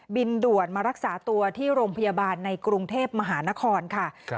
บินด่วนมารักษาตัวที่โรงพยาบาลในกรุงเทพมหานครค่ะ